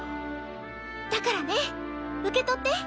だからねっ受け取って！